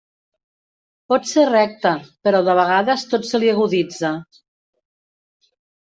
Pot ser recte, però de vegades tot se li aguditza.